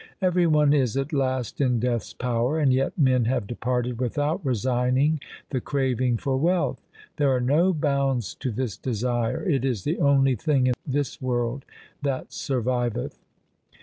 Every one is at last in Death's power, and yet men have departed without resigning the craving for wealth. There are no bounds to this desire. It is the only thing in this world that surviveth.